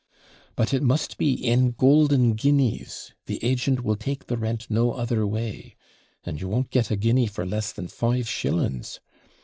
But it must be in golden guineas, the agent will take the rent no other way; and you won't get a guinea for less than five shillings.